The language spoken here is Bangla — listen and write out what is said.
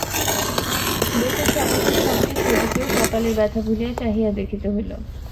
বেতের সপাসপ শব্দে টেবুকেও কপালের ব্যথা ভুলিয়া চাহিয়া দেখিতে হইল।